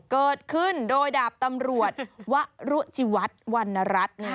เกิดขึ้นโดยดาบตำรวจวรุจิวัดวรรณรัฐ